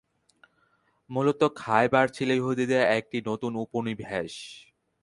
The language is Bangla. মূলত খায়বার ছিল ইহুদীদের একটি নতুন উপনিবেশ।